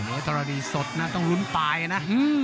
ไม่ต้องลุ้นตายนะ